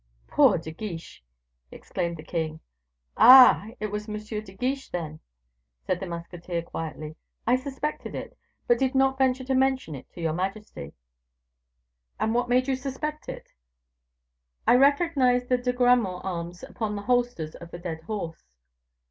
"Poor De Guiche!" exclaimed the king. "Ah! it was M. de Guiche, then?" said the musketeer, quietly. "I suspected it, but did not venture to mention it to your majesty." "And what made you suspect it?" "I recognized the De Gramont arms upon the holsters of the dead horse."